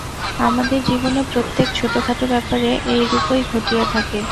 আমাদের জীবনে প্রত্যেক ছোটখাট ব্যাপারে এইরূপই ঘটিয়া থাকে।